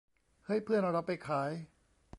เฮ้ย เพื่อนเราไปขาย